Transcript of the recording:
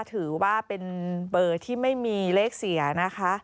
ถือว่าเป็นเบอร์ที่ไม่มีเลขเสียนะคะ